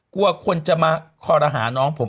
กลัวคนจะมาคอรหาน้องผม